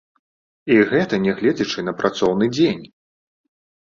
І гэта нягледзячы на працоўны дзень.